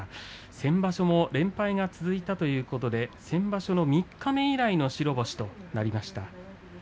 先場所も連敗が続いたということで先場所の三日目以来の白星ということになりました。